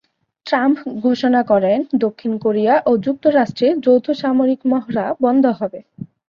Trump ঘোষণা করেন দক্ষিণ কোরিয়া ও যুক্তরাষ্ট্রের যৌথ সামরিক মহড়া বন্ধ হবে।